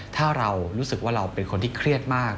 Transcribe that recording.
ถ้าเรารู้สึกว่าเราเป็นคนที่เครียดมาก